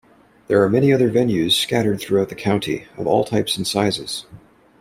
There are many other venues scattered throughout the county, of all types and sizes.